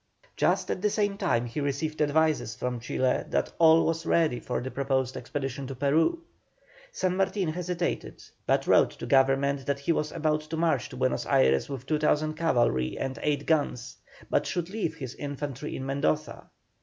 Just at the same time he received advices from Chile that all was ready for the proposed expedition to Peru. San Martin hesitated, but wrote to Government that he was about to march to Buenos Ayres with 2,000 cavalry and eight guns, but should leave his infantry in Mendoza.